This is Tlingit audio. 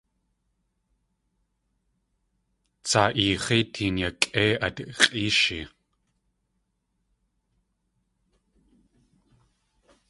Tsaa eex̲í teen yakʼéi at x̲ʼéeshi.